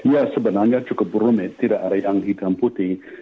ya sebenarnya cukup berumit tidak ada yang hitam putih